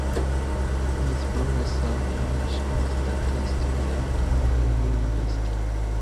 He is a professor of English and Theatre Studies at Yale University.